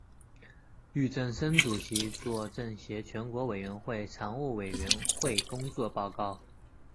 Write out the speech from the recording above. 俞正声主席作政协全国委员会常务委员会工作报告。